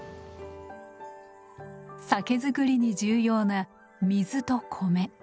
酒造りに重要な水と米。